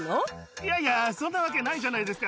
いやいや、そんなわけないじゃないですか。